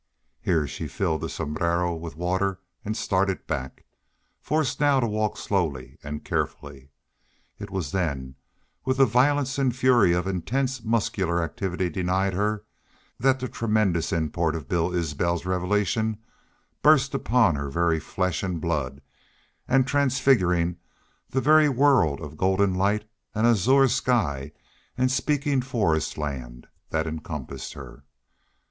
Here she filled the sombrero with water and started back, forced now to walk slowly and carefully. It was then, with the violence and fury of intense muscular activity denied her, that the tremendous import of Bill Isbel's revelation burst upon her very flesh and blood and transfiguring the very world of golden light and azure sky and speaking forestland that encompassed her.